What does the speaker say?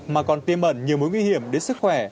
mà còn tiêm ẩn nhiều mối nguy hiểm đến sức khỏe